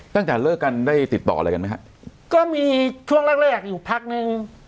ตั้งแต่เลิกกันได้ติดต่ออะไรกันไหมฮะก็มีช่วงแรกแรกอยู่พักนึง